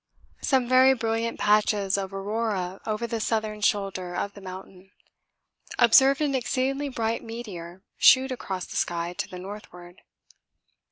Some very brilliant patches of aurora over the southern shoulder of the mountain. Observed an exceedingly bright meteor shoot across the sky to the northward.